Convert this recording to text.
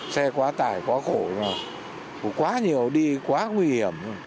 xe quá tải quá khổ quá nhiều đi quá nguy hiểm